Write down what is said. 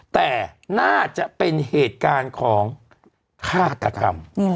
แต่น่าจะเป็นเหตุการณ์ของฆาตกรรม